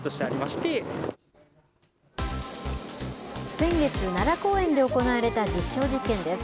先月、奈良公園で行われた実証実験です。